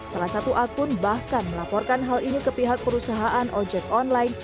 salah satu akun bahkan melaporkan hal ini ke pihak perusahaan ojek online